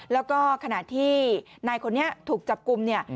แล้วก็ขณะที่นายคนนี้ถูกจับกลุ่มเนี่ย